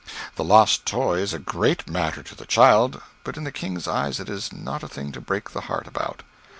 The lost toy is a great matter to the child, but in the king's eyes it is not a thing to break the heart about.